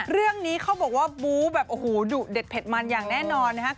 เรื่องนี้เขาบอกว่าบู๊แบบโอ้โหดุเด็ดเผ็ดมันอย่างแน่นอนนะครับ